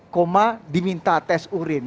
koma diminta tes urin